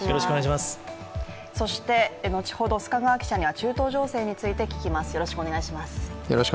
そして後ほど須賀川記者には中東情勢について聞きます。